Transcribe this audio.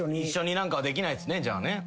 一緒に何かはできないっすね。